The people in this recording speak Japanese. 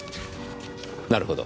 なるほど。